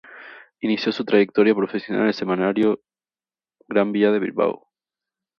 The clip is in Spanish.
Inició su trayectoria profesional en el semanario "Gran Vía" de Bilbao.